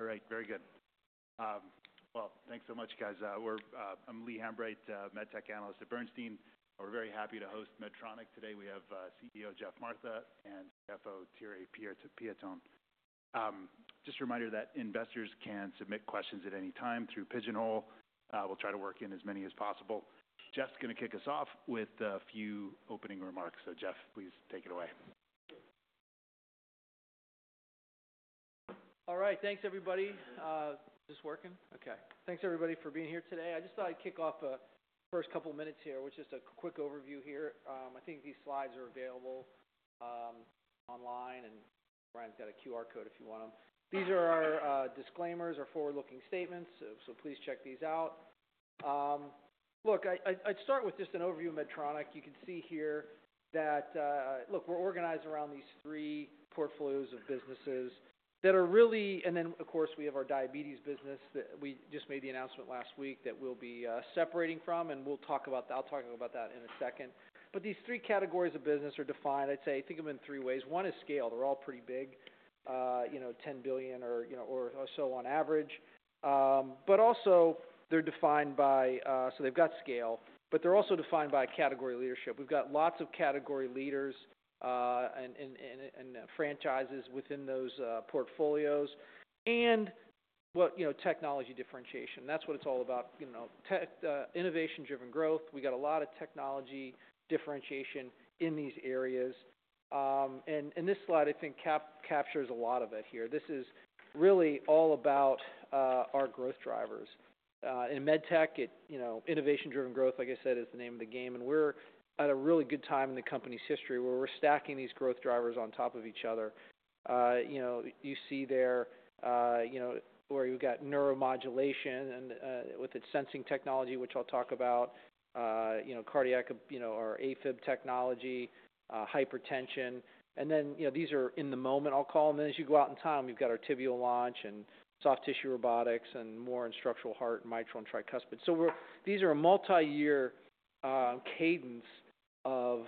All right. Very good. Thanks so much, guys. I'm Lee Hambright, MedTech analyst at Bernstein. We're very happy to host Medtronic today. We have CEO Geoff Martha and CFO Thierry Piéton. Just a reminder that investors can submit questions at any time through Pigeonhole. We'll try to work in as many as possible. Geoff's gonna kick us off with a few opening remarks. Geoff, please take it away. All right. Thanks, everybody. Is this working? Okay. Thanks, everybody, for being here today. I just thought I'd kick off, first couple minutes here with just a quick overview here. I think these slides are available online, and Brian's got a QR code if you want them. These are our disclaimers, our forward-looking statements, so please check these out. Look, I'd start with just an overview of Medtronic. You can see here that, look, we're organized around these three portfolios of businesses that are really—and then, of course, we have our diabetes business that we just made the announcement last week that we'll be separating from, and we'll talk about that. I'll talk about that in a second. But these three categories of business are defined, I'd say, think of them in three ways. One is scale. They're all pretty big, you know, $10 billion or, you know, or so on average. But also, they're defined by, so they've got scale, but they're also defined by category leadership. We've got lots of category leaders, and franchises within those portfolios. And what, you know, technology differentiation. That's what it's all about, you know, tech, innovation-driven growth. We got a lot of technology differentiation in these areas. And this slide, I think, captures a lot of it here. This is really all about our growth drivers. In MedTech, it, you know, innovation-driven growth, like I said, is the name of the game. We're at a really good time in the company's history where we're stacking these growth drivers on top of each other. You know, you see there, you know, where you've got neuromodulation and, with its sensing technology, which I'll talk about, you know, cardiac, you know, or AFib technology, hypertension. And then, you know, these are in the moment, I'll call them. As you go out in time, we've got our tibial launch and soft tissue robotics and more in structural heart and mitral and tricuspid. We are—these are a multi-year cadence of,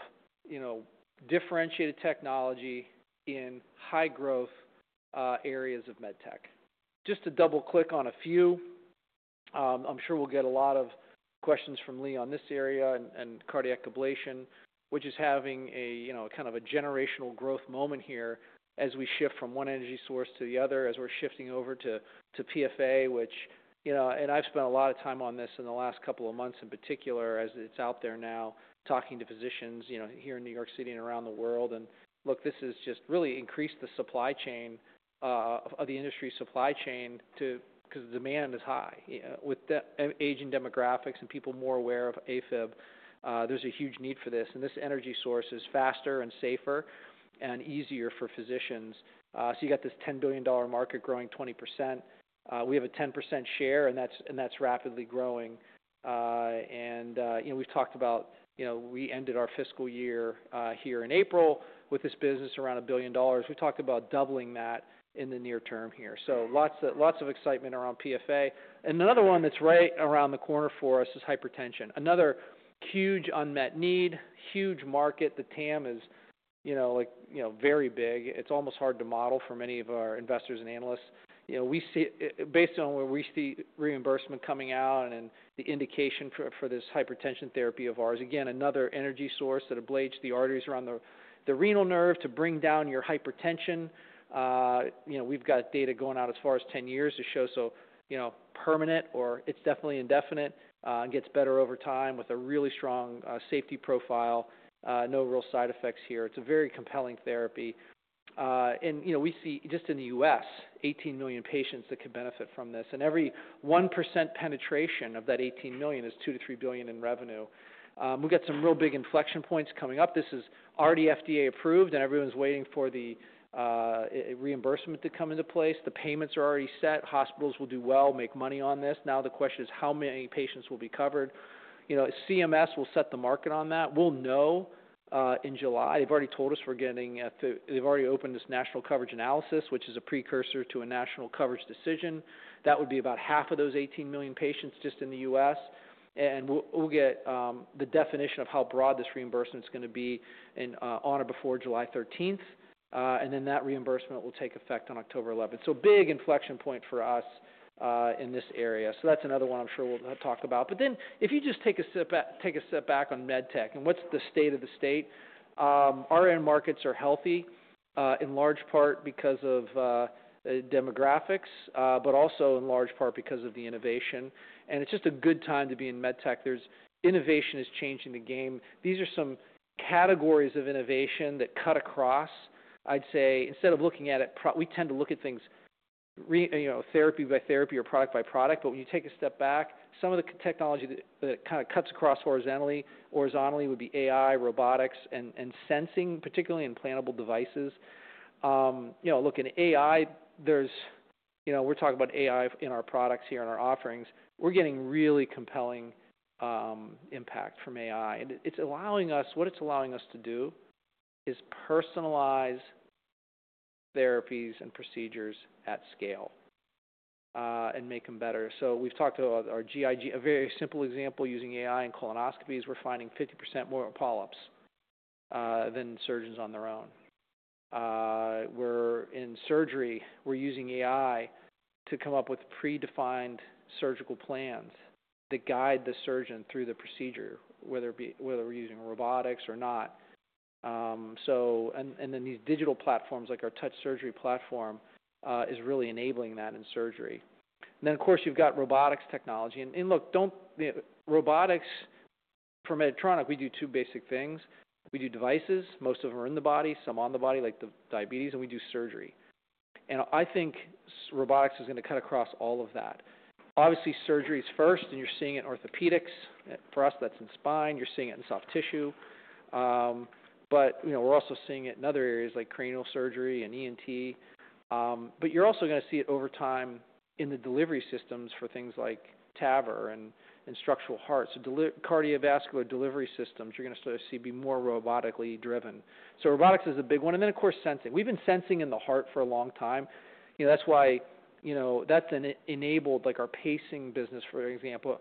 you know, differentiated technology in high-growth areas of MedTech. Just to double-click on a few, I'm sure we'll get a lot of questions from Lee on this area and cardiac ablation, which is having a, you know, kind of a generational growth moment here as we shift from one energy source to the other, as we're shifting over to PFA, which, you know, and I've spent a lot of time on this in the last couple of months in particular, as it's out there now, talking to physicians, you know, here in New York City and around the world. Look, this has just really increased the supply chain, the industry supply chain, because the demand is high, you know, with the aging demographics and people more aware of AFib. There's a huge need for this. And this energy source is faster and safer and easier for physicians. You got this $10 billion market growing 20%. We have a 10% share, and that's rapidly growing. You know, we've talked about, you know, we ended our fiscal year here in April with this business around a billion dollars. We've talked about doubling that in the near term here. Lots of excitement around PFA. Another one that's right around the corner for us is hypertension. Another huge unmet need, huge market. The TAM is, you know, like, you know, very big. It's almost hard to model for many of our investors and analysts. You know, we see, based on where we see reimbursement coming out and the indication for this hypertension therapy of ours, again, another energy source that ablates the arteries around the renal nerve to bring down your hypertension. You know, we've got data going out as far as 10 years to show, so, you know, permanent or it's definitely indefinite, and gets better over time with a really strong safety profile. No real side effects here. It's a very compelling therapy. And, you know, we see just in the U.S., 18 million patients that could benefit from this. Every 1% penetration of that 18 million is $2 billion-$3 billion in revenue. We've got some real big inflection points coming up. This is already FDA approved, and everyone's waiting for the reimbursement to come into place. The payments are already set. Hospitals will do well, make money on this. Now the question is how many patients will be covered. You know, CMS will set the market on that. We'll know in July. They've already told us we're getting, they've already opened this national coverage analysis, which is a precursor to a national coverage decision. That would be about half of those 18 million patients just in the U.S. We'll get the definition of how broad this reimbursement's gonna be in, on or before July 13th. That reimbursement will take effect on October 11th. Big inflection point for us in this area. That's another one I'm sure we'll talk about. If you just take a step back on MedTech and what's the state of the state, our end markets are healthy, in large part because of demographics, but also in large part because of the innovation. It's just a good time to be in MedTech. Innovation is changing the game. These are some categories of innovation that cut across. I'd say instead of looking at it pro—we tend to look at things, you know, therapy by therapy or product by product. But when you take a step back, some of the technology that kind of cuts across horizontally would be AI, robotics, and sensing, particularly in implantable devices. You know, look, in AI, there's, you know, we're talking about AI in our products here and our offerings. We're getting really compelling impact from AI. And what it's allowing us to do is personalize therapies and procedures at scale, and make them better. So we've talked about our GI Genius, a very simple example using AI in colonoscopies, we're finding 50% more polyps than surgeons on their own. We're in surgery, we're using AI to come up with predefined surgical plans that guide the surgeon through the procedure, whether we're using robotics or not. and then these digital platforms like our Touch Surgery platform is really enabling that in surgery. And then, of course, you've got robotics technology. And, and look, don't—the robotics for Medtronic, we do two basic things. We do devices. Most of them are in the body, some on the body, like the diabetes. And we do surgery. And I think robotics is gonna cut across all of that. Obviously, surgery's first, and you're seeing it in orthopedics. For us, that's in spine. You're seeing it in soft tissue, but, you know, we're also seeing it in other areas like cranial surgery and ENT. But you're also gonna see it over time in the delivery systems for things like TAVR and, and structural heart. So deli cardiovascular delivery systems, you're gonna start to see be more robotically driven. So robotics is a big one. And then, of course, sensing. We've been sensing in the heart for a long time. You know, that's why, you know, that's enabled, like our pacing business, for example.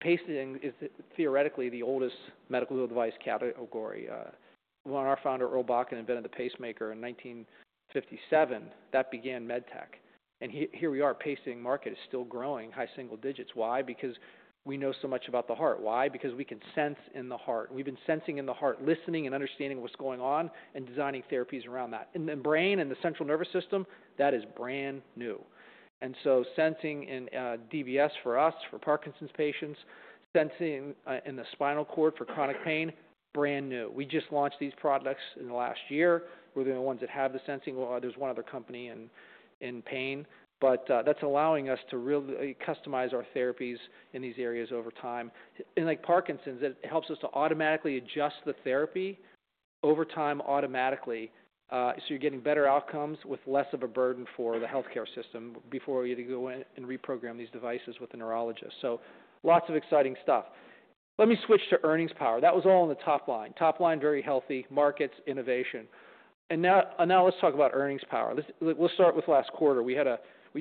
Pacing is theoretically the oldest medical device category. When our founder, Earl Bakken, invented the pacemaker in 1957, that began MedTech. Here we are. Pacing market is still growing, high single digits. Why? Because we know so much about the heart. Why? Because we can sense in the heart. We've been sensing in the heart, listening and understanding what's going on and designing therapies around that. Brain and the central nervous system, that is brand new. Sensing in DBS for us, for Parkinson's patients, sensing in the spinal cord for chronic pain, brand new. We just launched these products in the last year. We're the only ones that have the sensing. There's one other company in pain. That is allowing us to really customize our therapies in these areas over time. Like Parkinson's, it helps us to automatically adjust the therapy over time automatically, so you are getting better outcomes with less of a burden for the healthcare system before you go in and reprogram these devices with a neurologist. Lots of exciting stuff. Let me switch to earnings power. That was all on the top line. Top line, very healthy, markets, innovation. Now, now let's talk about earnings power. Let's start with last quarter. We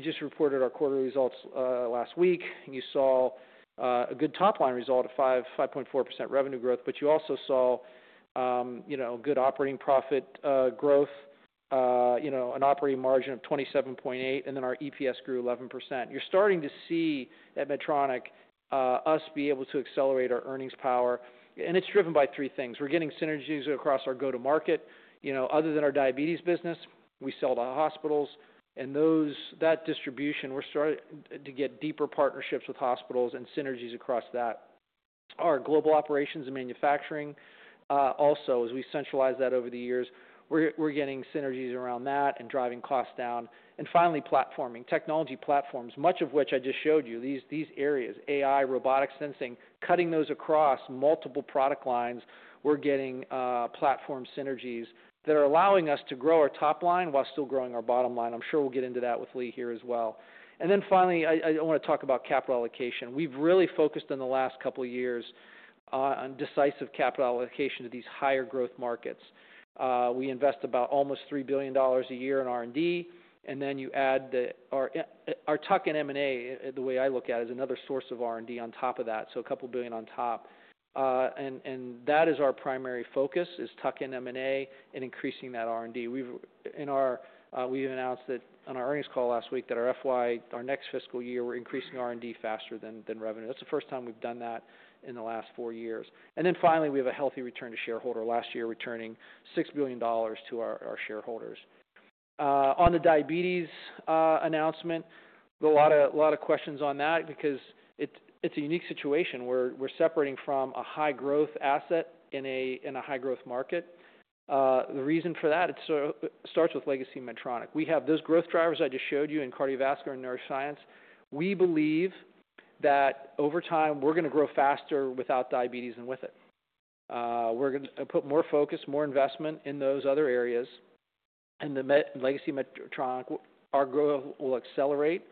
just reported our quarter results last week. You saw a good top line result of 5.4% revenue growth. You also saw, you know, good operating profit growth, you know, an operating margin of 27.8. Then our EPS grew 11%. You are starting to see at Medtronic, us be able to accelerate our earnings power. It is driven by three things. We are getting synergies across our go-to-market. You know, other than our diabetes business, we sell to hospitals. Those, that distribution, we are starting to get deeper partnerships with hospitals and synergies across that. Our global operations and manufacturing, also, as we centralize that over the years, we are getting synergies around that and driving costs down. Finally, platforming, technology platforms, much of which I just showed you. These areas, AI, robotics, sensing, cutting those across multiple product lines, we are getting platform synergies that are allowing us to grow our top line while still growing our bottom line. I am sure we will get into that with Lee here as well. Finally, I do not want to talk about capital allocation. We have really focused in the last couple of years on decisive capital allocation to these higher growth markets. We invest about almost $3 billion a year in R&D. Then you add our Tuck and M&A, the way I look at it is another source of R&D on top of that, so a couple billion on top. That is our primary focus, Tuck and M&A and increasing that R&D. We announced on our earnings call last week that our FY, our next fiscal year, we're increasing R&D faster than revenue. That's the first time we've done that in the last four years. Finally, we have a healthy return to shareholders. Last year, returning $6 billion to our shareholders. On the diabetes announcement, a lot of questions on that because it's a unique situation where we're separating from a high-growth asset in a high-growth market. The reason for that, it sort of starts with legacy Medtronic. We have those growth drivers I just showed you in cardiovascular and neuroscience. We believe that over time, we're gonna grow faster without diabetes and with it. We're gonna put more focus, more investment in those other areas. And the legacy Medtronic, our growth will accelerate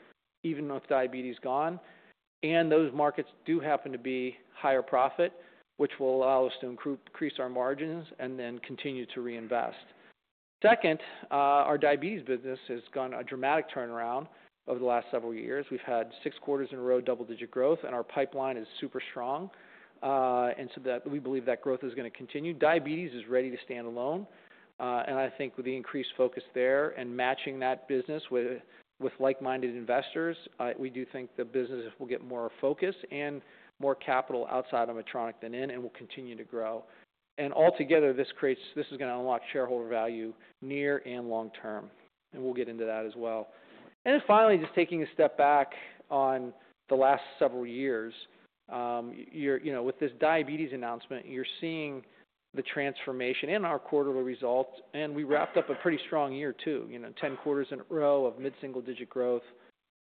even with diabetes gone. Those markets do happen to be higher profit, which will allow us to increase our margins and then continue to reinvest. Second, our diabetes business has gone a dramatic turnaround over the last several years. We've had six quarters in a row double-digit growth, and our pipeline is super strong, and so we believe that growth is gonna continue. Diabetes is ready to stand alone. I think with the increased focus there and matching that business with like-minded investors, we do think the business will get more focus and more capital outside of Medtronic than in, and we'll continue to grow. Altogether, this is gonna unlock shareholder value near and long term. We'll get into that as well. Finally, just taking a step back on the last several years, you're, you know, with this diabetes announcement, you're seeing the transformation in our quarterly results. We wrapped up a pretty strong year too, you know, 10 quarters in a row of mid-single-digit growth.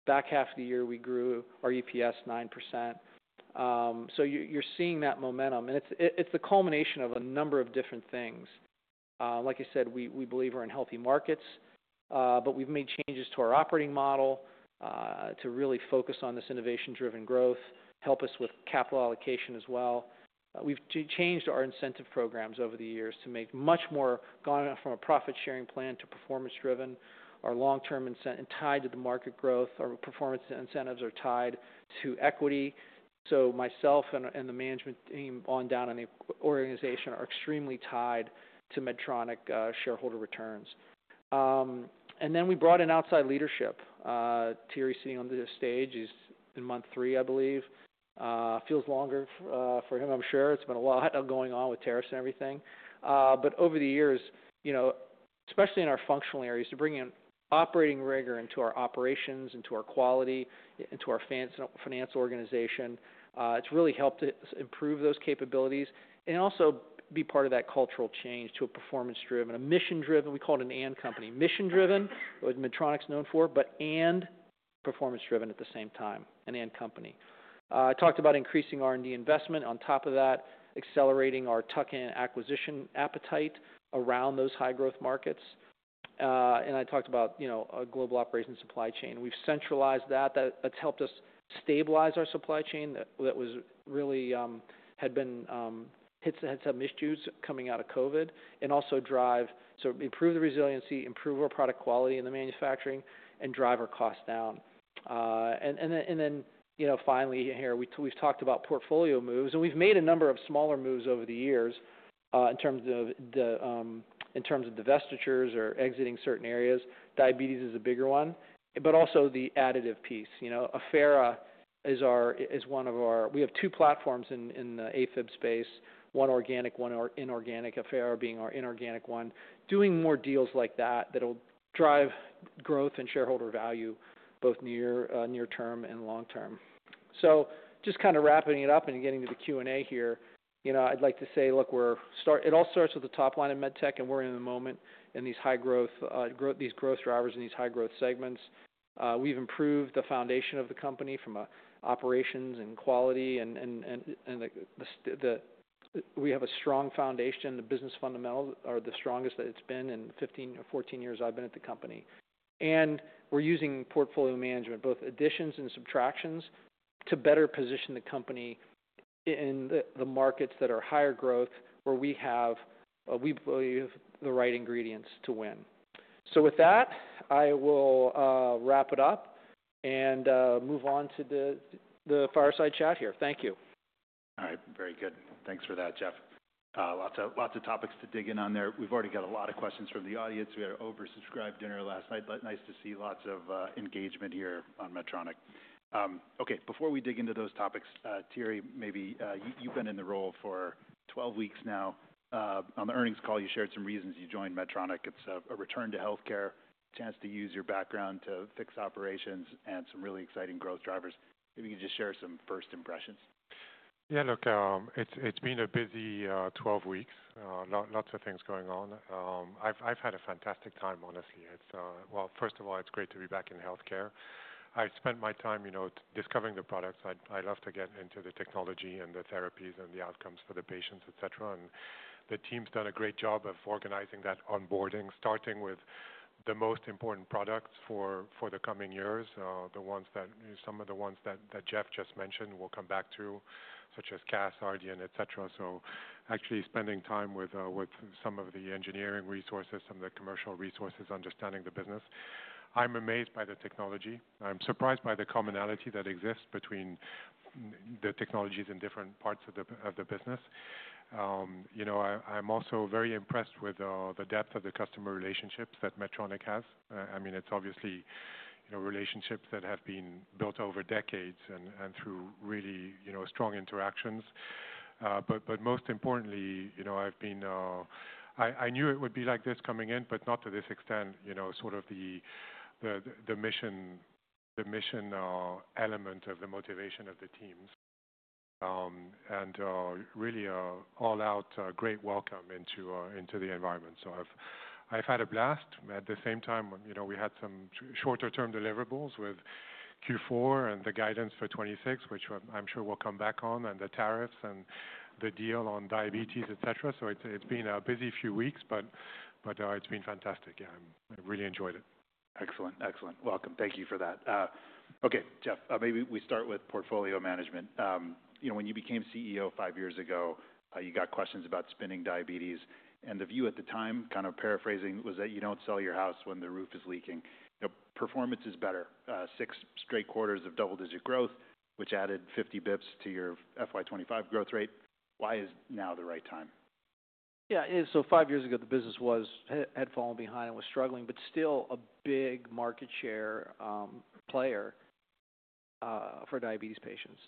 Back half of the year, we grew our EPS 9%. You're seeing that momentum. It's the culmination of a number of different things. Like I said, we believe we're in healthy markets. We have made changes to our operating model to really focus on this innovation-driven growth, help us with capital allocation as well. We have changed our incentive programs over the years to make much more, gone from a profit-sharing plan to performance-driven. Our long-term incent and tied to the market growth, our performance incentives are tied to equity. So myself and the management team on down in the organization are extremely tied to Medtronic, shareholder returns. Then we brought in outside leadership. Thierry sitting on this stage is in month three, I believe. Feels longer for him, I'm sure. It's been a lot going on with tariffs and everything. Over the years, you know, especially in our functional areas, to bring in operating rigor into our operations, into our quality, into our financial organization, it's really helped to improve those capabilities and also be part of that cultural change to a performance-driven, a mission-driven. We call it an and company, mission-driven, what Medtronic's known for, but and performance-driven at the same time, an and company. Talked about increasing R&D investment. On top of that, accelerating our tuck-in acquisition appetite around those high-growth markets. I talked about, you know, a global operations supply chain. We've centralized that. That's helped us stabilize our supply chain that was really, had been, hits, had some issues coming out of COVID and also drive, so improve the resiliency, improve our product quality in the manufacturing, and drive our costs down. And then, you know, finally here, we've talked about portfolio moves. We've made a number of smaller moves over the years, in terms of divestitures or exiting certain areas. Diabetes is a bigger one, but also the additive piece. You know, Affera is one of our, we have two platforms in the AFib space, one organic, one inorganic, Affera being our inorganic one, doing more deals like that that'll drive growth and shareholder value both near term and long term. Just kinda wrapping it up and getting to the Q and A here, I'd like to say, look, it all starts with the top line of MedTech, and we're in the moment in these growth drivers in these high-growth segments. We've improved the foundation of the company from operations and quality, and we have a strong foundation. The business fundamentals are the strongest that it's been in 15 or 14 years I've been at the company. We're using portfolio management, both additions and subtractions, to better position the company in the markets that are higher growth where we believe the right ingredients to win. With that, I will wrap it up and move on to the fireside chat here. Thank you. All right. Very good. Thanks for that, Geoff. Lots of topics to dig in on there. We've already got a lot of questions from the audience. We had an oversubscribed dinner last night, but nice to see lots of engagement here on Medtronic. Okay. Before we dig into those topics, Thierry, maybe, you, you've been in the role for 12 weeks now. On the earnings call, you shared some reasons you joined Medtronic. It's a, a return to healthcare, chance to use your background to fix operations and some really exciting growth drivers. Maybe you could just share some first impressions. Yeah. Look, it's, it's been a busy 12 weeks. Lots of things going on. I've, I've had a fantastic time, honestly. It's, first of all, it's great to be back in healthcare. I spent my time, you know, discovering the products. I, I love to get into the technology and the therapies and the outcomes for the patients, etc. And the team's done a great job of organizing that onboarding, starting with the most important products for, for the coming years. The ones that, some of the ones that Geoff just mentioned we'll come back to, such as CAS, RDN, etc. Actually spending time with some of the engineering resources, some of the commercial resources, understanding the business. I'm amazed by the technology. I'm surprised by the commonality that exists between the technologies in different parts of the business. You know, I'm also very impressed with the depth of the customer relationships that Medtronic has. I mean, it's obviously relationships that have been built over decades and through really strong interactions. Most importantly, you know, I've been, I knew it would be like this coming in, but not to this extent, you know, sort of the mission, the mission element of the motivation of the teams. and, really, all out, great welcome into, into the environment. So I've, I've had a blast. At the same time, you know, we had some shorter-term deliverables with Q4 and the guidance for 2026, which I'm sure we'll come back on, and the tariffs and the deal on diabetes, etc. So it's, it's been a busy few weeks, but, but, it's been fantastic. Yeah. I've, I've really enjoyed it. Excellent. Excellent. Welcome. Thank you for that. okay, Geoff, maybe we start with portfolio management. you know, when you became CEO five years ago, you got questions about spinning diabetes. And the view at the time, kind of paraphrasing, was that you don't sell your house when the roof is leaking. The performance is better. six straight quarters of double-digit growth, which added 50 basis points to your FY2025 growth rate. Why is now the right time? Yeah. Five years ago, the business had fallen behind and was struggling, but still a big market share player for diabetes patients.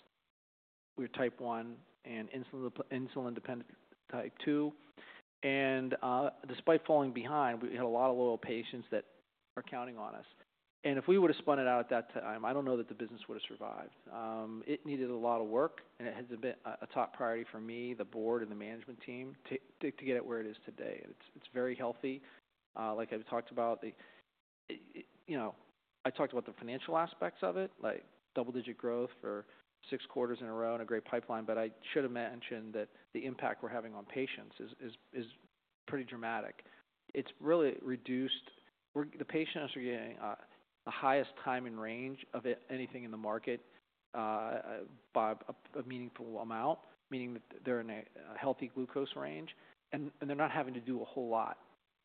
We were type 1 and insulin-dependent type 2. Despite falling behind, we had a lot of loyal patients that are counting on us. If we would've spun it out at that time, I do not know that the business would've survived. It needed a lot of work, and it has been a top priority for me, the board, and the management team to get it where it is today. It is very healthy. Like I have talked about, you know, I talked about the financial aspects of it, like double-digit growth for six quarters in a row and a great pipeline. I should have mentioned that the impact we are having on patients is pretty dramatic. It is really reduced. We're, the patients are getting the highest time and range of anything in the market, by a meaningful amount, meaning that they're in a healthy glucose range, and they're not having to do a whole lot.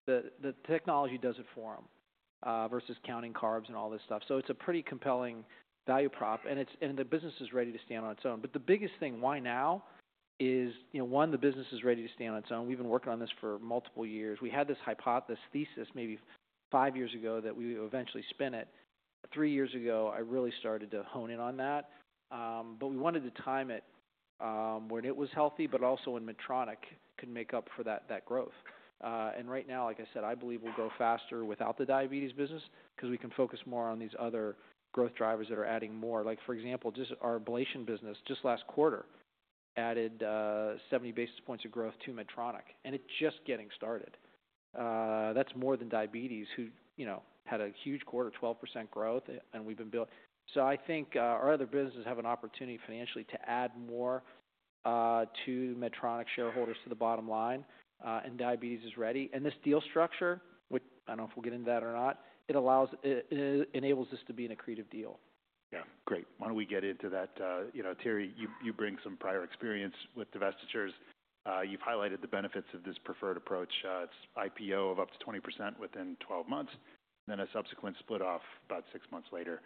The technology does it for them, versus counting carbs and all this stuff. It's a pretty compelling value prop. The business is ready to stand on its own. The biggest thing, why now is, you know, one, the business is ready to stand on its own. We've been working on this for multiple years. We had this hypothesis, thesis maybe five years ago that we would eventually spin it. Three years ago, I really started to hone in on that. We wanted to time it when it was healthy, but also when Medtronic could make up for that growth. and right now, like I said, I believe we'll go faster without the diabetes business 'cause we can focus more on these other growth drivers that are adding more. Like, for example, just our ablation business, just last quarter, added 70 basis points of growth to Medtronic, and it's just getting started. that's more than diabetes, who, you know, had a huge quarter, 12% growth, and we've been building. So I think, our other businesses have an opportunity financially to add more to Medtronic shareholders to the bottom line, and diabetes is ready. And this deal structure, which I don't know if we'll get into that or not, it allows, it enables this to be an accretive deal. Yeah. Great. Why don't we get into that? you know, Thierry, you, you bring some prior experience with divestitures. you've highlighted the benefits of this preferred approach. It's IPO of up to 20% within 12 months, then a subsequent split-off about six months later.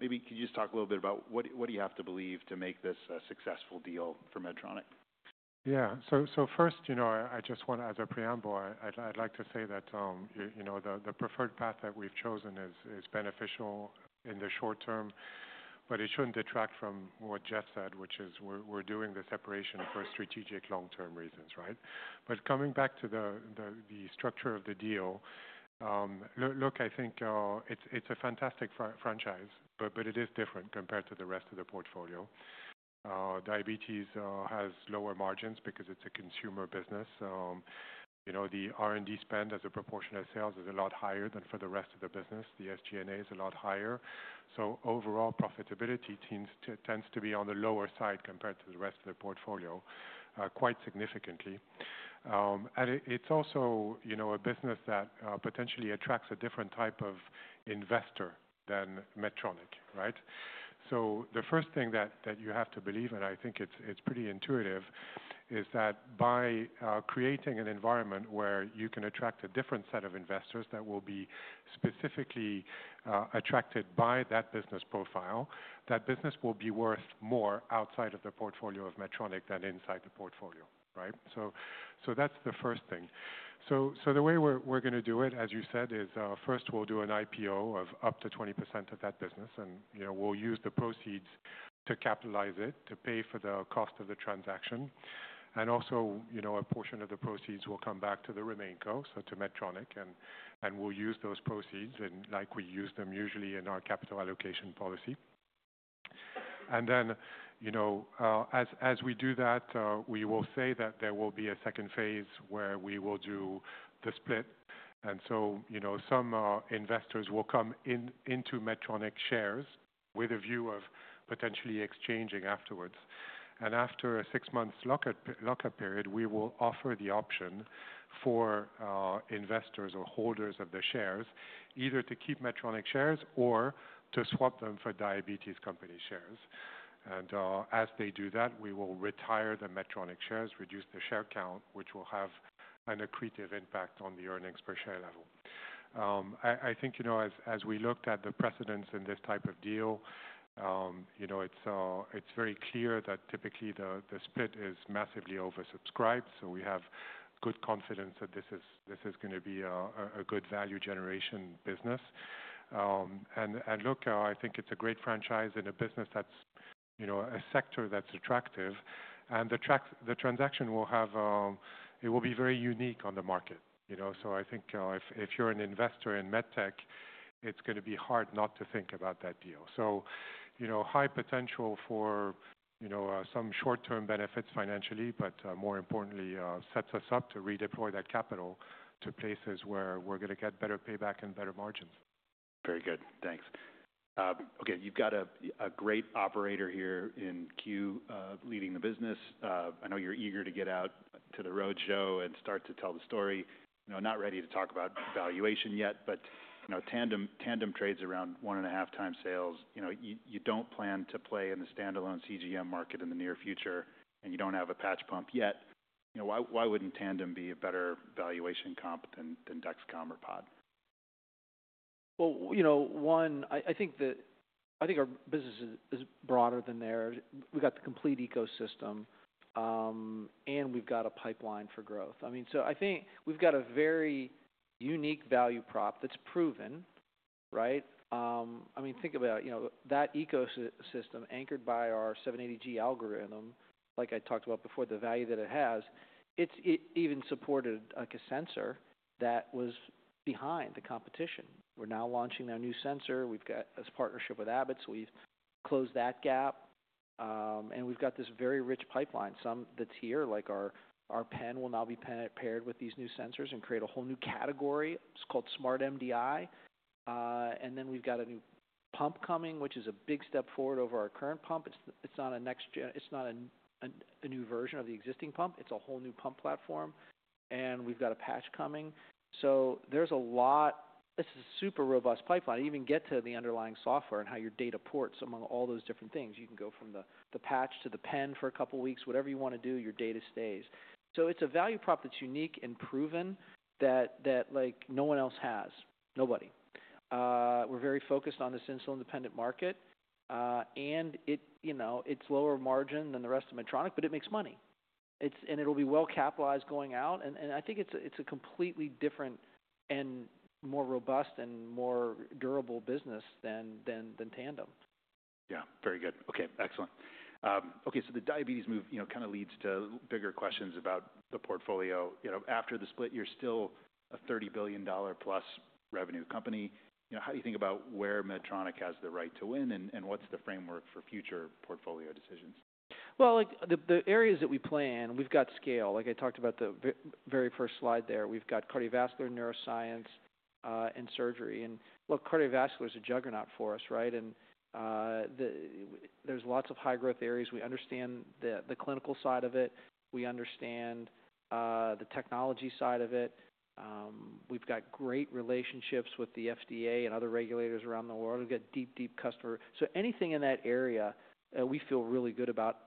Maybe could you just talk a little bit about what, what do you have to believe to make this a successful deal for Medtronic? Yeah. So, first, you know, I just wanna, as a preamble, I'd like to say that, you know, the preferred path that we've chosen is beneficial in the short term, but it shouldn't detract from what Geoff said, which is we're doing the separation for strategic long-term reasons, right? Coming back to the structure of the deal, look, I think it's a fantastic franchise, but it is different compared to the rest of the portfolio. Diabetes has lower margins because it's a consumer business. You know, the R&D spend as a proportion of sales is a lot higher than for the rest of the business. The SG&A is a lot higher. Overall profitability tends to be on the lower side compared to the rest of the portfolio, quite significantly. It's also, you know, a business that potentially attracts a different type of investor than Medtronic, right? The first thing that you have to believe, and I think it's pretty intuitive, is that by creating an environment where you can attract a different set of investors that will be specifically attracted by that business profile, that business will be worth more outside of the portfolio of Medtronic than inside the portfolio, right? That's the first thing. The way we're gonna do it, as you said, is, first we'll do an IPO of up to 20% of that business, and, you know, we'll use the proceeds to capitalize it, to pay for the cost of the transaction. Also, you know, a portion of the proceeds will come back to the remainder, so to Medtronic, and we'll use those proceeds in, like we use them usually in our capital allocation policy. Then, you know, as we do that, we will say that there will be a second phase where we will do the split. You know, some investors will come in, into Medtronic shares with a view of potentially exchanging afterwards. After a six-month lockup period, we will offer the option for investors or holders of the shares either to keep Medtronic shares or to swap them for diabetes company shares. As they do that, we will retire the Medtronic shares, reduce the share count, which will have an accretive impact on the earnings per share level. I think, you know, as we looked at the precedents in this type of deal, you know, it's very clear that typically the split is massively oversubscribed. We have good confidence that this is gonna be a good value generation business. I think it's a great franchise in a business that's, you know, a sector that's attractive. The transaction will be very unique on the market, you know? I think, if you're an investor in MedTech, it's gonna be hard not to think about that deal. You know, high potential for some short-term benefits financially, but more importantly, sets us up to redeploy that capital to places where we're gonna get better payback and better margins. Very good. Thanks. Okay. You've got a great operator here in queue, leading the business. I know you're eager to get out to the roadshow and start to tell the story. You know, not ready to talk about valuation yet, but, you know, Tandem trades around one and a half times sales. You know, you don't plan to play in the standalone CGM market in the near future, and you don't have a patch pump yet. You know, why wouldn't Tandem be a better valuation comp than Dexcom or Pod? I think our business is broader than there. We've got the complete ecosystem, and we've got a pipeline for growth. I mean, I think we've got a very unique value prop that's proven, right? I mean, think about that ecosystem anchored by our 780G algorithm, like I talked about before, the value that it has. It's even supported like a sensor that was behind the competition. We're now launching our new sensor. We've got this partnership with Abbott. We've closed that gap, and we've got this very rich pipeline, some that's here, like our pen will now be paired with these new sensors and create a whole new category. It's called Smart MDI. And then we've got a new pump coming, which is a big step forward over our current pump. It's not a next gen, it's not a new version of the existing pump. It's a whole new pump platform. And we've got a patch coming. This is a super robust pipeline. You even get to the underlying software and how your data ports among all those different things. You can go from the patch to the pen for a couple weeks. Whatever you wanna do, your data stays. It's a value prop that's unique and proven that, like no one else has, nobody. We're very focused on this insulin-dependent market. It, you know, it's lower margin than the rest of Medtronic, but it makes money. It'll be well capitalized going out. I think it's a completely different and more robust and more durable business than tandem. Yeah. Very good. Okay. Excellent. Okay. The diabetes move, you know, kind of leads to bigger questions about the portfolio. You know, after the split, you're still a $30 billion plus revenue company. You know, how do you think about where Medtronic has the right to win and what's the framework for future portfolio decisions? Like the areas that we play in, we've got scale. Like I talked about the very first slide there, we've got cardiovascular, neuroscience, and surgery. Look, cardiovascular is a juggernaut for us, right? There's lots of high-growth areas. We understand the clinical side of it. We understand the technology side of it. We've got great relationships with the FDA and other regulators around the world. We've got deep, deep customer. So anything in that area, we feel really good about.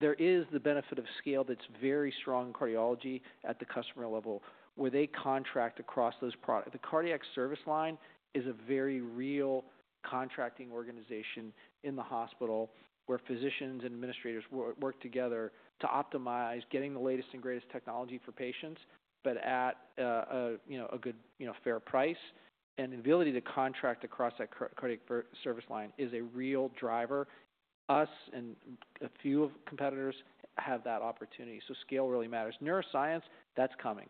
There is the benefit of scale that's very strong in cardiology at the customer level where they contract across those products. The cardiac service line is a very real contracting organization in the hospital where physicians and administrators work together to optimize getting the latest and greatest technology for patients, but at, you know, a good, you know, fair price. The ability to contract across that cardiac service line is a real driver. Us and a few competitors have that opportunity. Scale really matters. Neuroscience, that's coming.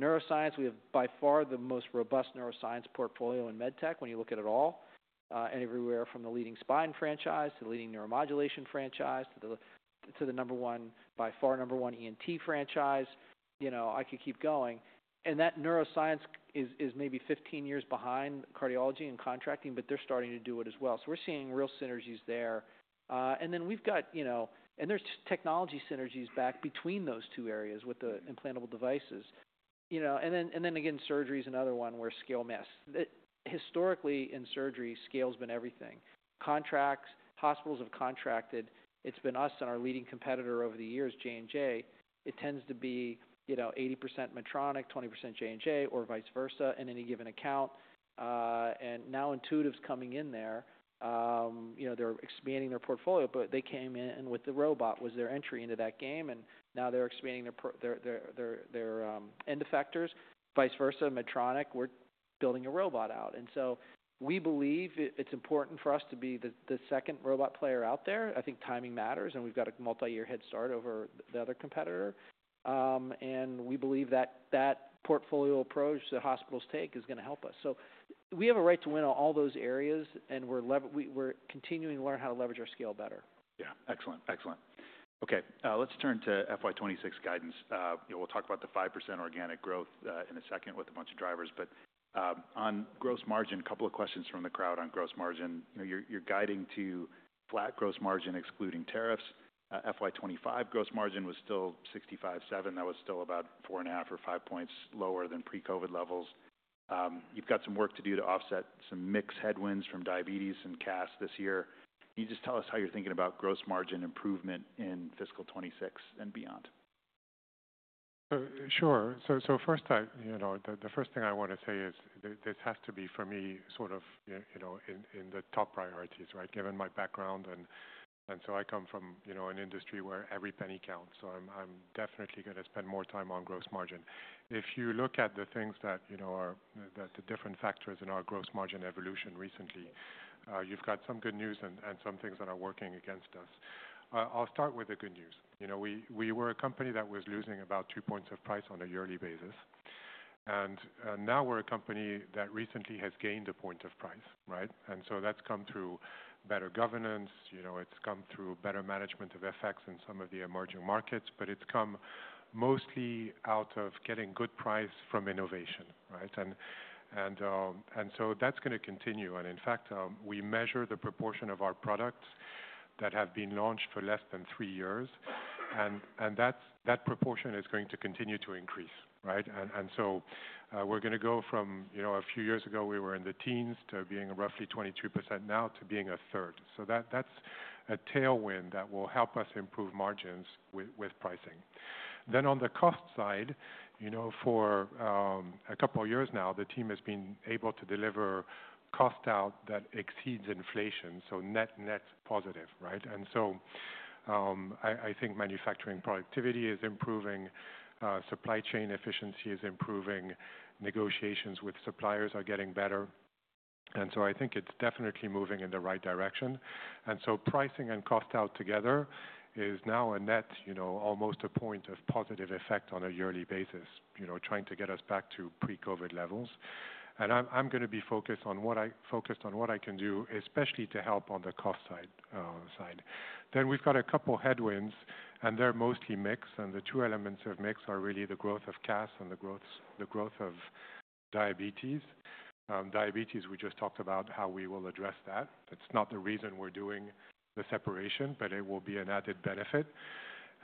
Neuroscience, we have by far the most robust neuroscience portfolio in MedTech when you look at it all, and everywhere from the leading spine franchise to the leading neuromodulation franchise to the number one, by far number one ENT franchise. You know, I could keep going. That neuroscience is maybe 15 years behind cardiology and contracting, but they're starting to do it as well. We're seeing real synergies there. And then we've got, you know, and there's technology synergies back between those two areas with the implantable devices. You know, and then again, surgery is another one where scale missed. Historically, in surgery, scale's been everything. Contracts, hospitals have contracted. It's been us and our leading competitor over the years, J&J. It tends to be, you know, 80% Medtronic, 20% J&J, or vice versa in any given account. And now Intuitive's coming in there. You know, they're expanding their portfolio, but they came in with the robot was their entry into that game, and now they're expanding their end effectors. Vice versa, Medtronic, we're building a robot out. We believe it's important for us to be the second robot player out there. I think timing matters, and we've got a multi-year head start over the other competitor. We believe that portfolio approach that hospitals take is gonna help us. We have a right to win on all those areas, and we're continuing to learn how to leverage our scale better. Yeah. Excellent. Excellent. Okay. Let's turn to FY26 guidance. You know, we'll talk about the 5% organic growth in a second with a bunch of drivers. On gross margin, a couple of questions from the crowd on gross margin. You know, you're guiding to flat gross margin excluding tariffs. FY25 gross margin was still 6,507. That was still about four and a half or five points lower than pre-COVID levels. You've got some work to do to offset some mixed headwinds from diabetes and CAS this year. Can you just tell us how you're thinking about gross margin improvement in fiscal 2026 and beyond? Sure. First, the first thing I want to say is this has to be, for me, sort of, you know, in the top priorities, right? Given my background, and so I come from, you know, an industry where every penny counts. I'm definitely going to spend more time on gross margin. If you look at the things that are the different factors in our gross margin evolution recently, you've got some good news and some things that are working against us. I'll start with the good news. You know, we were a company that was losing about two percentage points of price on a yearly basis. Now we're a company that recently has gained a percentage point of price, right? That has come through better governance. You know, it has come through better management of effects in some of the emerging markets, but it has come mostly out of getting good price from innovation, right? That is going to continue. In fact, we measure the proportion of our products that have been launched for less than three years. That proportion is going to continue to increase, right? We are going to go from, you know, a few years ago we were in the teens to being roughly 23% now to being a third. That is a tailwind that will help us improve margins with pricing. On the cost side, you know, for a couple years now, the team has been able to deliver cost out that exceeds inflation. Net, net positive, right? I think manufacturing productivity is improving. Supply chain efficiency is improving. Negotiations with suppliers are getting better. I think it is definitely moving in the right direction. Pricing and cost out together is now a net, you know, almost a point of positive effect on a yearly basis, you know, trying to get us back to pre-COVID levels. I'm going to be focused on what I can do, especially to help on the cost side. We have got a couple headwinds, and they are mostly mix. The two elements of mix are really the growth of CAS and the growth, the growth of diabetes. Diabetes, we just talked about how we will address that. That's not the reason we're doing the separation, but it will be an added benefit.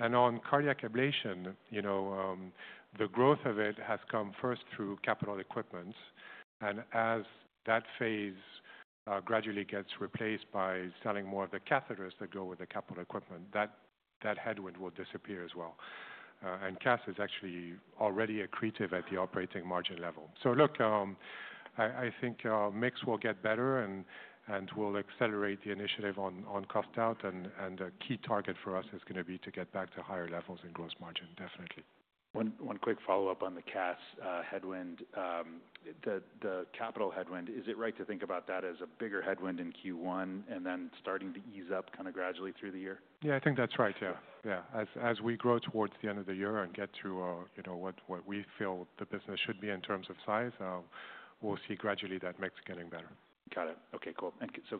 On cardiac ablation, you know, the growth of it has come first through capital equipment. As that phase gradually gets replaced by selling more of the catheters that go with the capital equipment, that headwind will disappear as well. CAS is actually already accretive at the operating margin level. Look, I think mix will get better and we'll accelerate the initiative on cost out. The key target for us is gonna be to get back to higher levels in gross margin, definitely. One quick follow-up on the CAS headwind. The capital headwind, is it right to think about that as a bigger headwind in Q1 and then starting to ease up kind of gradually through the year? Yeah, I think that's right. Yeah. As we grow towards the end of the year and get to, you know, what we feel the business should be in terms of size, we'll see gradually that mix getting better. Got it. Okay. Cool. And so,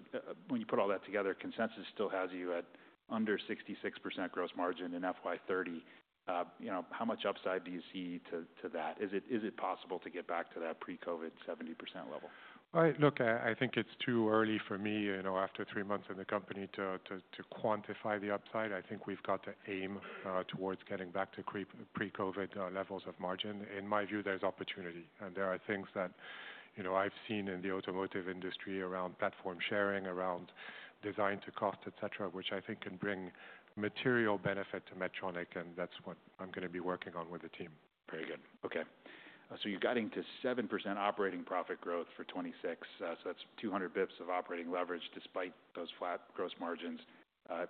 when you put all that together, consensus still has you at under 66% gross margin in FY2030. You know, how much upside do you see to that? Is it, is it possible to get back to that pre-COVID 70% level? All right. Look, I think it's too early for me, you know, after three months in the company to quantify the upside. I think we've got to aim towards getting back to pre, pre-COVID levels of margin. In my view, there's opportunity. And there are things that, you know, I've seen in the automotive industry around platform sharing, around design to cost, etc., which I think can bring material benefit to Medtronic. And that's what I'm gonna be working on with the team. Very good. Okay. You're guiding to 7% operating profit growth for 2026. So that's 200 basis points of operating leverage despite those flat gross margins.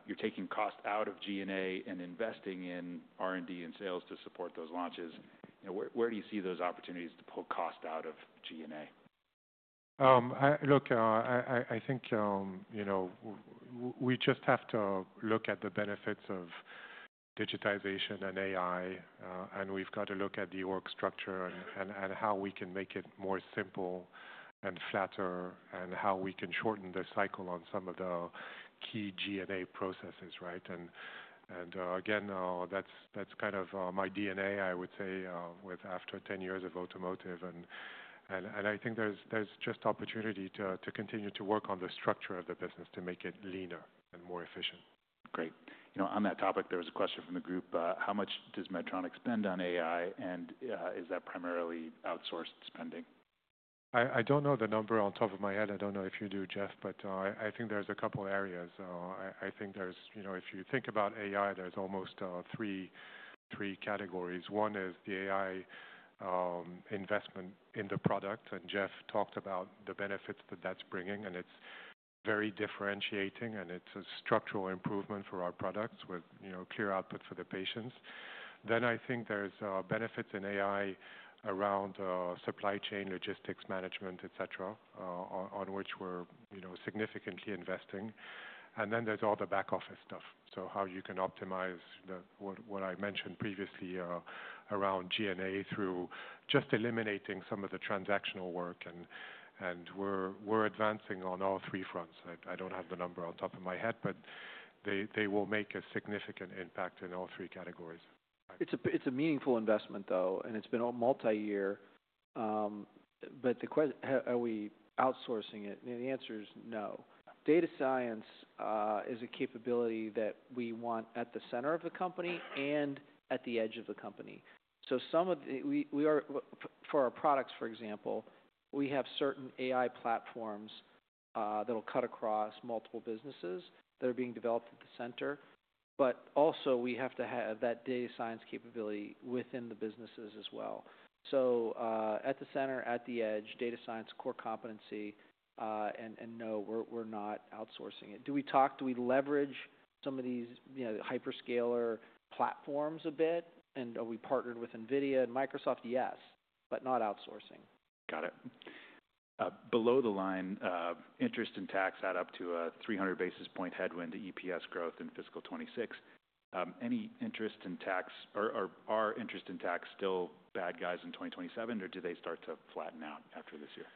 You're taking cost out of G&A and investing in R&D and sales to support those launches. You know, where do you see those opportunities to pull cost out of G&A? I look, I think, you know, we just have to look at the benefits of digitization and AI. We have to look at the org structure and how we can make it more simple and flatter and how we can shorten the cycle on some of the key G&A processes, right? Again, that's kind of my DNA, I would say, after 10 years of automotive. I think there's just opportunity to continue to work on the structure of the business to make it leaner and more efficient. Great. On that topic, there was a question from the group. How much does Medtronic spend on AI? Is that primarily outsourced spending? I do not know the number off the top of my head. I do not know if you do, Geoff, but I think there are a couple areas. I think if you think about AI, there are almost three categories. One is the AI, investment in the product. Geoff talked about the benefits that that's bringing. It's very differentiating. It's a structural improvement for our products with, you know, clear output for the patients. I think there's benefits in AI around supply chain, logistics management, etc., on which we're, you know, significantly investing. There's all the back office stuff. How you can optimize what I mentioned previously around G&A through just eliminating some of the transactional work. We're advancing on all three fronts. I don't have the number on top of my head, but they will make a significant impact in all three categories. It's a meaningful investment though. It's been a multi-year. The question, are we outsourcing it? The answer is no. Data science is a capability that we want at the center of the company and at the edge of the company. Some of the, we are, for our products, for example, we have certain AI platforms that'll cut across multiple businesses that are being developed at the center. We have to have that data science capability within the businesses as well. At the center, at the edge, data science, core competency, and no, we're not outsourcing it. Do we talk, do we leverage some of these, you know, hyperscaler platforms a bit? And are we partnered with Nvidia and Microsoft? Yes, but not outsourcing. Got it. Below the line, interest and tax add up to a 300 basis point headwind to EPS growth in fiscal 2026. Any interest in tax or, or are interest in tax still bad guys in 2027, or do they start to flatten out after this year?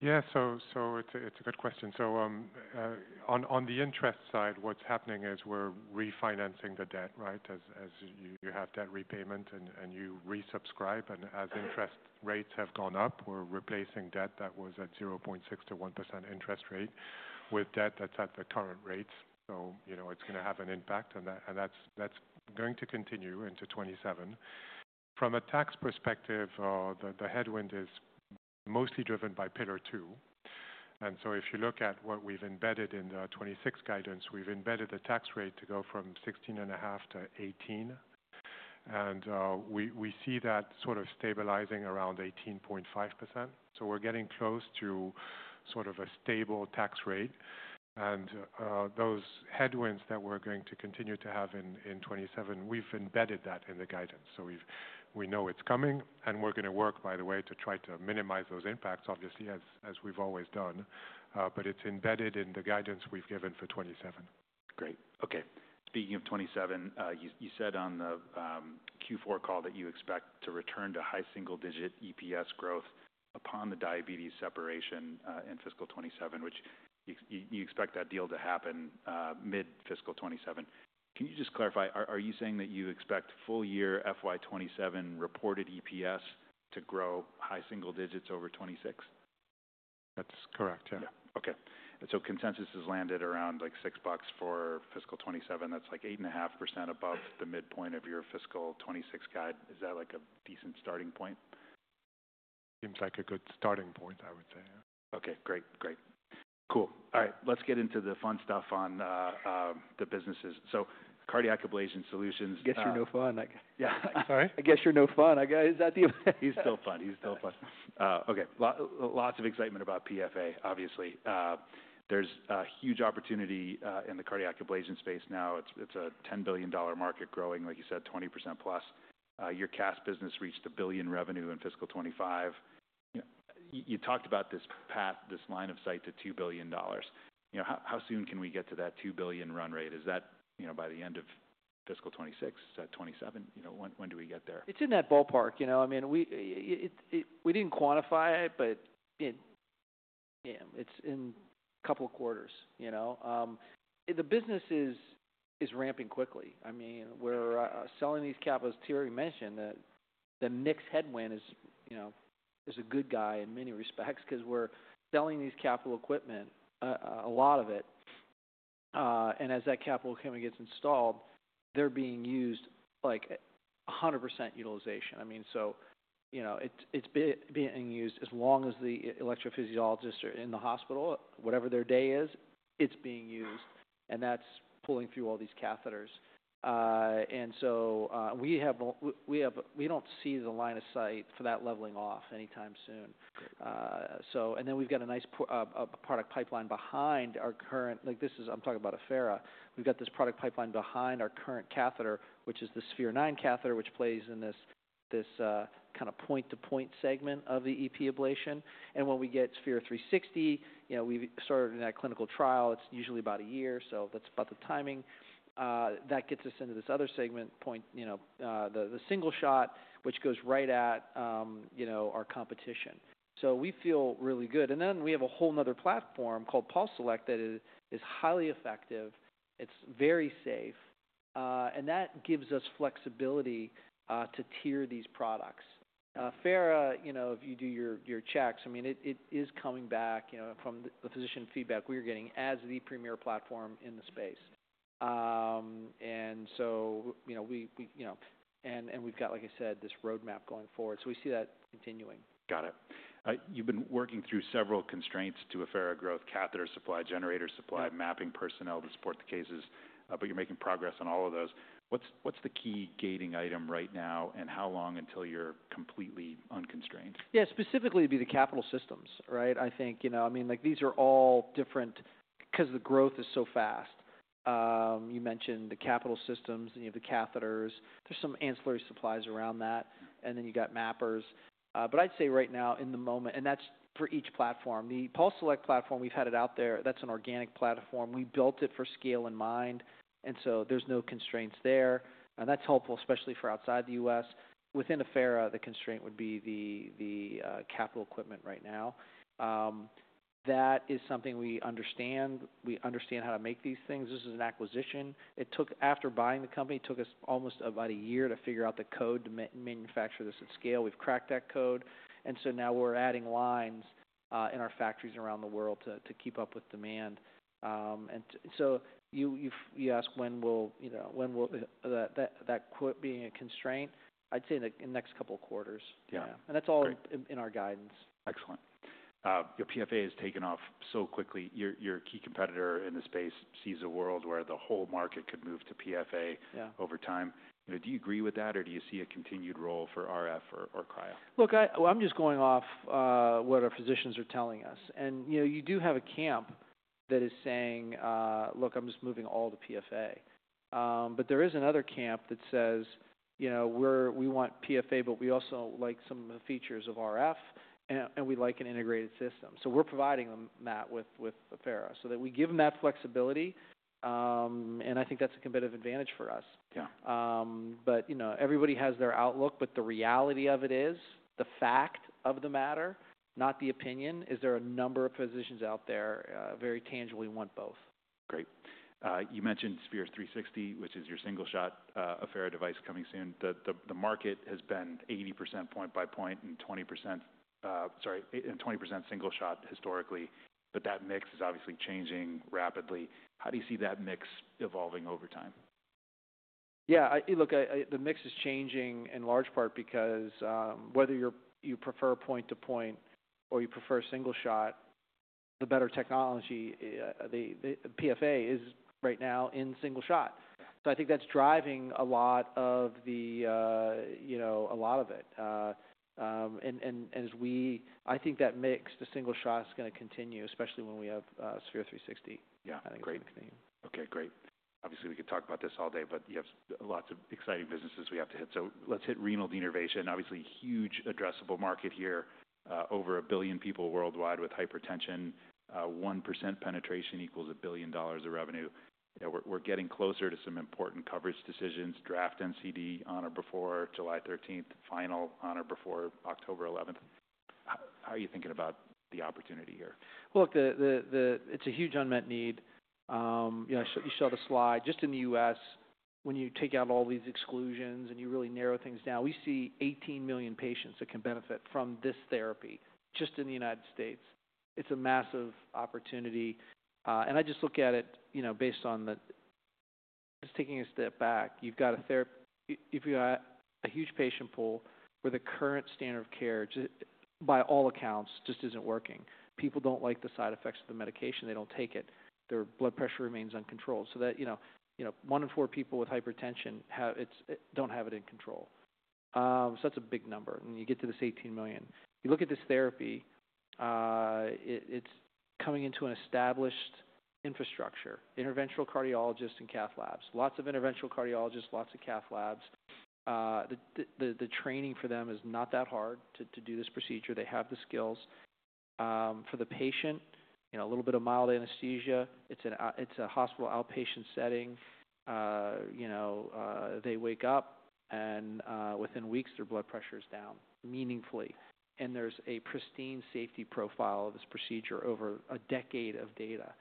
Yeah. So, it's a good question. On the interest side, what's happening is we're refinancing the debt, right? As you have debt repayment and you resubscribe. And as interest rates have gone up, we're replacing debt that was at 0.6-1% interest rate with debt that's at the current rates. You know, it's gonna have an impact and that's going to continue into 2027. From a tax perspective, the headwind is mostly driven by pillar two. If you look at what we've embedded in the 2026 guidance, we've embedded the tax rate to go from 16.5% to 18%. We see that sort of stabilizing around 18.5%. We are getting close to sort of a stable tax rate. Those headwinds that we are going to continue to have in 2027, we have embedded that in the guidance. We know it is coming. We are going to work, by the way, to try to minimize those impacts, obviously, as we have always done, but it is embedded in the guidance we have given for 2027. Great. Okay. Speaking of 2027, you said on the Q4 call that you expect to return to high single digit EPS growth upon the diabetes separation, in fiscal 2027, which you expect that deal to happen mid-fiscal 2027. Can you just clarify, are you saying that you expect full year FY2027 reported EPS to grow high single digits over 2026? That is correct. Yeah. Yeah. Okay. Consensus has landed around like $6 for fiscal 2027. That's like 8.5% above the midpoint of your fiscal 2026 guide. Is that like a decent starting point? Seems like a good starting point, I would say. Okay. Great. Great. Cool. All right. Let's get into the fun stuff on the businesses. Cardiac Ablation Solutions. I guess you're no fun. I get, yeah. Sorry. I guess you're no fun. I got, is that the, he's still fun. He's still fun. Okay. Lots of excitement about PFA, obviously. There's a huge opportunity in the cardiac ablation space now. It's a $10 billion market growing, like you said, 20% plus. Your CAS business reached $1 billion revenue in fiscal 2025. You know, you talked about this path, this line of sight to $2 billion. You know, how soon can we get to that $2 billion run rate? Is that, you know, by the end of fiscal 2026? Is that 2027? You know, when do we get there? It's in that ballpark. You know, I mean, we didn't quantify it, but it, yeah, it's in a couple quarters, you know? The business is ramping quickly. I mean, we're selling these capitals. Thierry mentioned that the mixed headwind is, you know, is a good guy in many respects 'cause we're selling these capital equipment, a lot of it. And as that capital equipment gets installed, they're being used like 100% utilization. I mean, so, you know, it's being used as long as the electrophysiologists are in the hospital, whatever their day is, it's being used. And that's pulling through all these catheters. We have, we don't see the line of sight for that leveling off anytime soon. We have a nice product pipeline behind our current, like this is, I'm talking about Affera. We've got this product pipeline behind our current catheter, which is the Sphere-9 catheter, which plays in this kind of point-to-point segment of the EP ablation. When we get Sphere 360, you know, we've started in that clinical trial. It's usually about a year. That's about the timing. That gets us into this other segment point, the single shot, which goes right at our competition. We feel really good. We have a whole other platform called PulseSelect that is highly effective. It's very safe, and that gives us flexibility to tier these products. Farah, you know, if you do your checks, I mean, it is coming back, you know, from the physician feedback we are getting as the premier platform in the space. And so, you know, we, you know, and we've got, like I said, this roadmap going forward. We see that continuing. Got it. You've been working through several constraints to AFib growth, catheter supply, generator supply, mapping personnel to support the cases. You are making progress on all of those. What's the key gating item right now and how long until you're completely unconstrained? Yeah. Specifically, it'd be the capital systems, right? I think, you know, I mean, like these are all different because the growth is so fast. You mentioned the capital systems and you have the catheters. There's some ancillary supplies around that. And then you got mappers. I'd say right now in the moment, and that's for each platform, the PulseSelect platform, we've had it out there. That's an organic platform. We built it for scale in mind, and so there's no constraints there. That's helpful, especially for outside the U.S. Within Affera, the constraint would be the capital equipment right now. That is something we understand. We understand how to make these things. This is an acquisition. After buying the company, it took us almost about a year to figure out the code to manufacture this at scale. We've cracked that code, and so now we're adding lines in our factories around the world to keep up with demand. You ask when will that quit being a constraint. I'd say in the next couple quarters, yeah. That is all in our guidance. Excellent. Your PFA has taken off so quickly. Your key competitor in the space sees a world where the whole market could move to PFA. Yeah. Over time. You know, do you agree with that or do you see a continued role for RF or Cryo? Look, I am just going off what our physicians are telling us. You do have a camp that is saying, look, I am just moving all to PFA. There is another camp that says, you know, we want PFA, but we also like some of the features of RF and we like an integrated system. We are providing them that with Affera so that we give them that flexibility. I think that is a competitive advantage for us. Yeah. But, you know, everybody has their outlook, but the reality of it is the fact of the matter, not the opinion. Is there a number of physicians out there, very tangibly want both? Great. You mentioned Sphere 360, which is your single shot, Affera device coming soon. The market has been 80% point by point and 20% single shot historically. That mix is obviously changing rapidly. How do you see that mix evolving over time? Yeah. I, look, the mix is changing in large part because, whether you prefer point to point or you prefer single shot, the better technology, PFA is right now in single shot. I think that is driving a lot of it. and as we, I think that mix to single shot's gonna continue, especially when we have Sphere 360. Yeah. I think it's gonna continue. Okay. Great. Obviously, we could talk about this all day, but you have lots of exciting businesses we have to hit. Let's hit renal denervation. Obviously, huge addressable market here, over a billion people worldwide with hypertension. 1% penetration equals $1 billion of revenue. You know, we're getting closer to some important coverage decisions, draft NCD on or before July 13, final on or before October 11. How are you thinking about the opportunity here? The, it's a huge unmet need. you know, I showed you showed a slide just in the U.S. When you take out all these exclusions and you really narrow things down, we see 18 million patients that can benefit from this therapy just in the United States. It's a massive opportunity. I just look at it, you know, based on the, just taking a step back, you've got a therapy, if you have a huge patient pool where the current standard of care just by all accounts just isn't working. People do not like the side effects of the medication. They do not take it. Their blood pressure remains uncontrolled. You know, one in four people with hypertension do not have it in control. That is a big number. You get to this 18 million. You look at this therapy, it is coming into an established infrastructure, interventional cardiologists and cath labs, lots of interventional cardiologists, lots of cath labs. The training for them is not that hard to do this procedure. They have the skills. For the patient, you know, a little bit of mild anesthesia. It's a hospital outpatient setting. You know, they wake up and, within weeks, their blood pressure is down meaningfully. And there's a pristine safety profile of this procedure over a decade of data.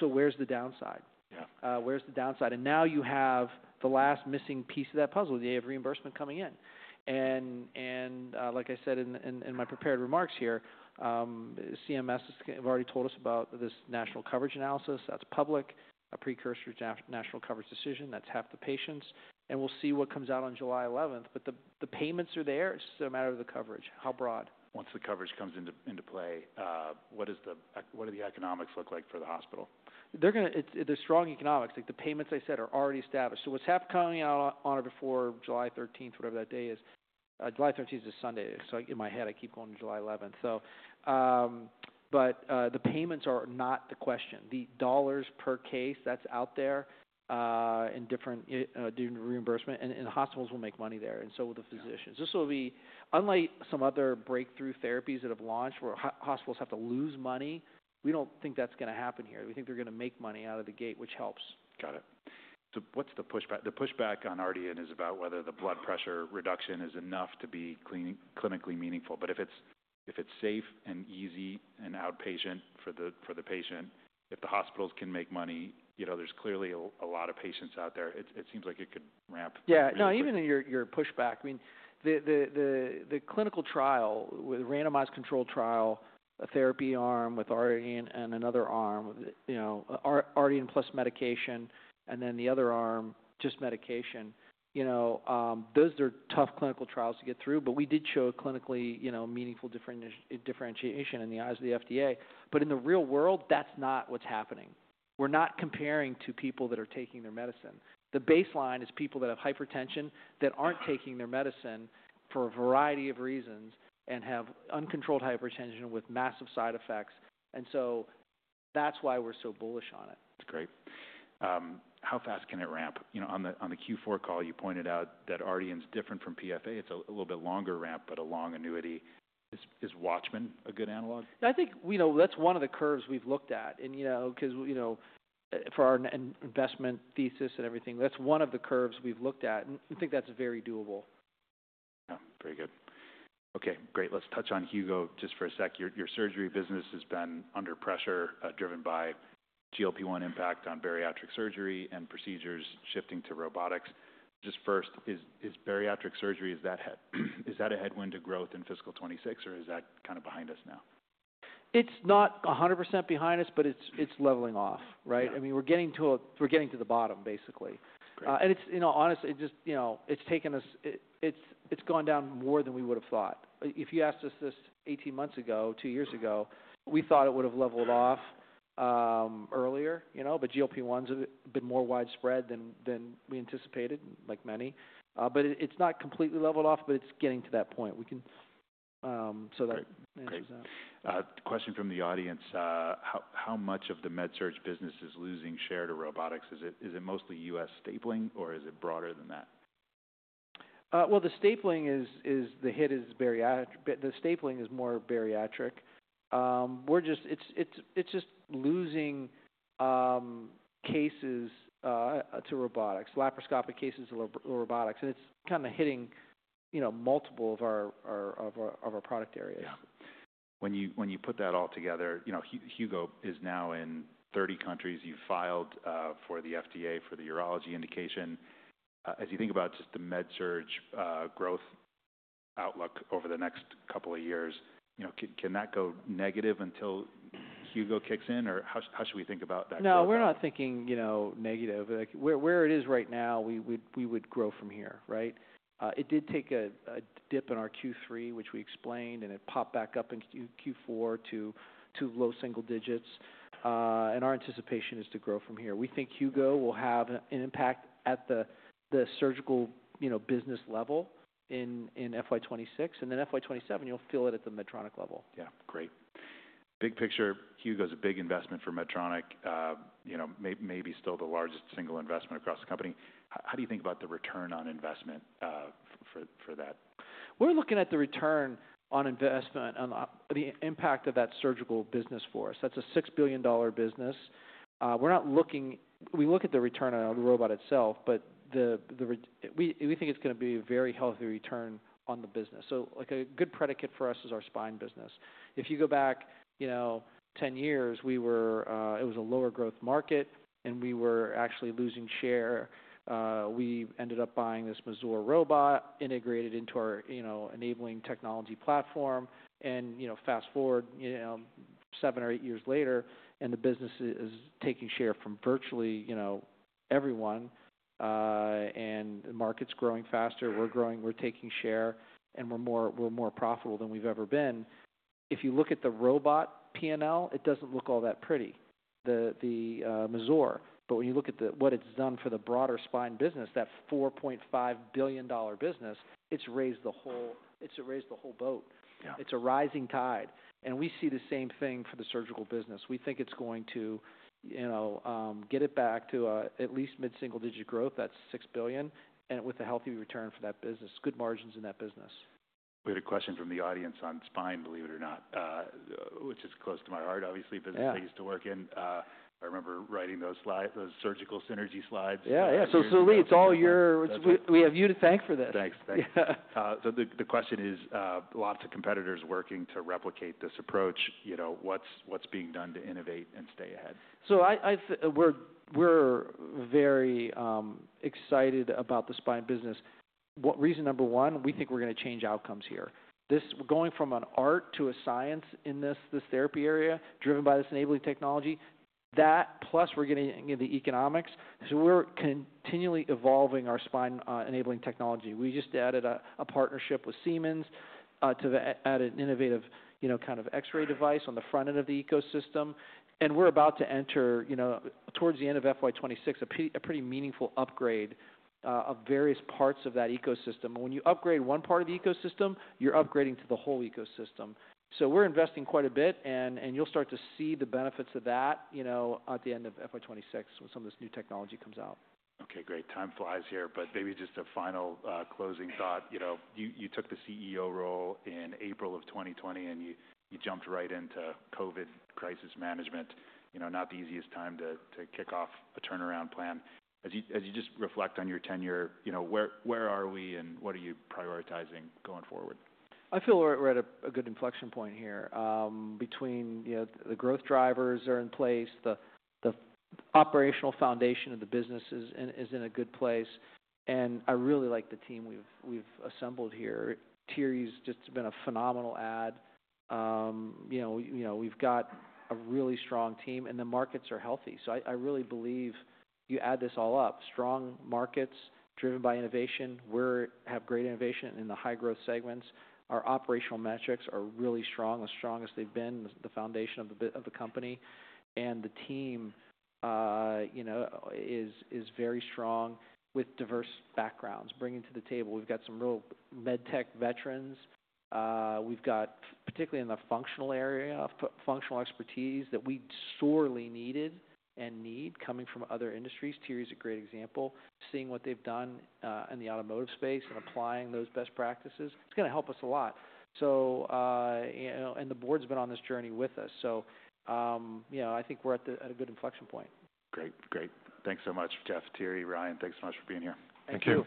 Where's the downside? Yeah, where's the downside? And now you have the last missing piece of that puzzle, the day of reimbursement coming in. Like I said in my prepared remarks here, CMS has already told us about this national coverage analysis. That's public, a precursor to national coverage decision. That's half the patients. We'll see what comes out on July 11th. The payments are there. It's a matter of the coverage. How broad? Once the coverage comes into play, what is the, what do the economics look like for the hospital? They're gonna, it's, they're strong economics. Like the payments I said are already established. What's happening on or before July 13, whatever that day is, July 13 is a Sunday. In my head, I keep going to July 11. The payments are not the question. The dollars per case that's out there, in different, do reimbursement and hospitals will make money there. With the physicians, this will be unlike some other breakthrough therapies that have launched where hospitals have to lose money. We don't think that's gonna happen here. We think they're gonna make money out of the gate, which helps. Got it. What's the pushback? The pushback on RDN is about whether the blood pressure reduction is enough to be clinically meaningful. If it's safe and easy and outpatient for the patient, if the hospitals can make money, you know, there's clearly a lot of patients out there. It seems like it could ramp. Yeah. No, even in your pushback, I mean, the clinical trial with randomized control trial, a therapy arm with RDN and another arm, you know, RDN plus medication, and then the other arm, just medication, you know, those are tough clinical trials to get through. We did show a clinically meaningful differentiation in the eyes of the FDA. In the real world, that's not what's happening. We're not comparing to people that are taking their medicine. The baseline is people that have hypertension that aren't taking their medicine for a variety of reasons and have uncontrolled hypertension with massive side effects. That's why we're so bullish on it. That's great. How fast can it ramp? You know, on the Q4 call, you pointed out that RDN's different from PFA. It's a little bit longer ramp, but a long annuity. Is Watchman a good analog? I think, you know, that's one of the curves we've looked at. And, you know, 'cause, you know, for our investment thesis and everything, that's one of the curves we've looked at. I think that's very doable. Yeah. Very good. Okay. Great. Let's touch on Hugo just for a sec. Your surgery business has been under pressure, driven by GLP-1 impact on bariatric surgery and procedures shifting to robotics. Just first, is bariatric surgery, is that a headwind to growth in fiscal 2026, or is that kind of behind us now? It's not 100% behind us, but it's leveling off, right? I mean, we're getting to the bottom basically. And it's, you know, honestly, it just, you know, it's taken us, it's gone down more than we would've thought. If you asked us this 18 months ago, two years ago, we thought it would've leveled off earlier, you know, but GLP-1's been more widespread than we anticipated, like many. And it's not completely leveled off, but it's getting to that point. We can, so that. Great. Question from the audience. How much of the MedSurg business is losing share to robotics? Is it mostly US stapling or is it broader than that? The stapling is, is the hit, is bariatric. The stapling is more bariatric. We're just, it's, it's just losing cases to robotics, laparoscopic cases to robotics. And it's kind of hitting, you know, multiple of our, of our product areas. Yea h. When you, when you put that all together, you know, Hugo is now in 30 countries. You've filed for the FDA for the urology indication. As you think about just the med search growth outlook over the next couple of years, you know, can, can that go negative until Hugo kicks in, or how, how should we think about that? No, we're not thinking, you know, negative. Like where, where it is right now, we, we'd, we would grow from here, right? It did take a dip in our Q3, which we explained, and it popped back up in Q4 to low single digits. Our anticipation is to grow from here. We think Hugo will have an impact at the surgical, you know, business level in FY 2026. In FY 2027, you'll feel it at the Medtronic level. Yeah. Great. Big picture, Hugo's a big investment for Medtronic. You know, maybe still the largest single investment across the company. How do you think about the return on investment for that? We're looking at the return on investment and the impact of that surgical business for us. That's a $6 billion business. We're not looking, we look at the return on the robot itself, but we think it's gonna be a very healthy return on the business. Like a good predicate for us is our spine business. If you go back, you know, 10 years, it was a lower growth market and we were actually losing share. We ended up buying this Mazor robot, integrated into our, you know, enabling technology platform. And, you know, fast forward, you know, seven or eight years later, and the business is taking share from virtually, you know, everyone. The market's growing faster. We're growing, we're taking share, and we're more, we're more profitable than we've ever been. If you look at the robot P&L, it doesn't look all that pretty. The Mazor. But when you look at what it's done for the broader spine business, that $4.5 billion business, it's raised the whole, it's raised the whole boat. Yeah. It's a rising tide. We see the same thing for the surgical business. We think it's going to, you know, get it back to at least mid-single digit growth, that's $6 billion, and with a healthy return for that business, good margins in that business. We had a question from the audience on spine, believe it or not, which is close to my heart, obviously, business I used to work in. I remember writing those slides, those surgical synergy slides. Yeah. Yeah. So it's all your, it's we, we have you to thank for this. Thanks. Thanks. The question is, lots of competitors working to replicate this approach. You know, what's, what's being done to innovate and stay ahead? I think we're, we're very excited about the spine business. What reason number one, we think we're gonna change outcomes here. This is going from an art to a science in this therapy area driven by this enabling technology, that plus we're getting in the economics. We're continually evolving our spine enabling technology. We just added a partnership with Siemens to add an innovative, you know, kind of X-ray device on the front end of the ecosystem. We're about to enter, you know, towards the end of FY 2026, a pretty meaningful upgrade of various parts of that ecosystem. When you upgrade one part of the ecosystem, you're upgrading the whole ecosystem. We're investing quite a bit and you'll start to see the benefits of that at the end of FY 2026 when some of this new technology comes out. Okay. Great. Time flies here, but maybe just a final, closing thought. You know, you took the CEO role in April of 2020 and you jumped right into COVID crisis management. You know, not the easiest time to kick off a turnaround plan. As you just reflect on your tenure, you know, where are we and what are you prioritizing going forward? I feel we're at a good inflection point here, between, you know, the growth drivers are in place, the operational foundation of the business is in a good place. And I really like the team we've assembled here. Thierry's just been a phenomenal add. You know, we've got a really strong team and the markets are healthy. I really believe you add this all up, strong markets driven by innovation. We have great innovation in the high growth segments. Our operational metrics are really strong, as strong as they've been, the foundation of the, of the company. And the team, you know, is very strong with diverse backgrounds bringing to the table. We've got some real med tech veterans. We've got particularly in the functional area, functional expertise that we sorely needed and need coming from other industries. Thierry's a great example. Seeing what they've done in the automotive space and applying those best practices, it's gonna help us a lot. You know, and the board's been on this journey with us. You know, I think we're at a good inflection point. Great. Great. Thanks so much, Geoff, Thierry, Ryan. Thanks so much for being here. Thank you.